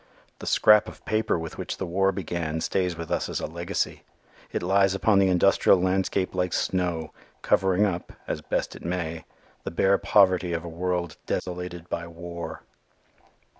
The "scrap of paper" with which the war began stays with us as its legacy. It lies upon the industrial landscape like snow, covering up, as best it may, the bare poverty of a world desolated by war.